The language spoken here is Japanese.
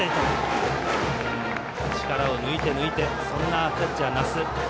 力を抜いて抜いてそんなキャッチャー奈須。